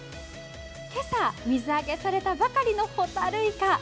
今朝、水揚げされたばかりのほたるいか。